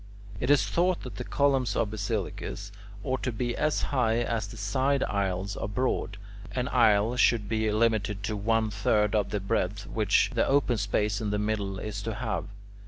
It is thought that the columns of basilicas ought to be as high as the side aisles are broad; an aisle should be limited to one third of the breadth which the open space in the middle is to have.